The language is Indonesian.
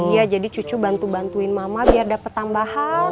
iya jadi cucu bantu bantuin mama biar dapat tambahan